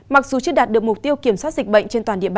mặc dù chưa đạt được mục tiêu kiểm soát dịch bệnh